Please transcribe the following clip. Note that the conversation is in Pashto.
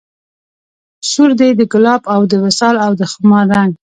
سور دی د ګلاب او د وصال او د خمار رنګ